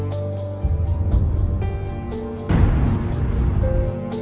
โปรดติดตามต่อไป